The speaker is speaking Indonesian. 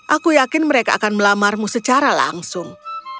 aku yakin mereka akan melamarmu secara langsung